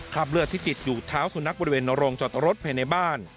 เลือดที่ติดอยู่เท้าสุนัขบริเวณโรงจอดรถภายในบ้าน